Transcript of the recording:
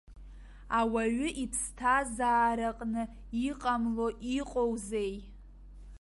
Ауаҩы иԥсҭазаараҟны иҟамло иҟоузеи.